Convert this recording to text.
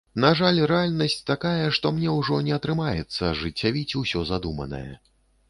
На жаль, рэальнасць такая, што мне ўжо не атрымаецца ажыццявіць усе задуманае.